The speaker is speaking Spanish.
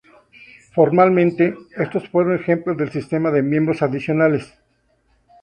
Formalmente, estos fueron ejemplos del sistema de miembros adicionales.